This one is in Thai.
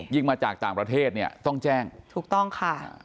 มาจากต่างประเทศเนี่ยต้องแจ้งถูกต้องค่ะ